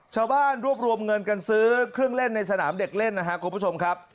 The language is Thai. ชาวบ้านรวบรวมเงินกันซื้อเครื่องเล่นในสนามเด็กเล่นนะครับคุณผู้ชมครับ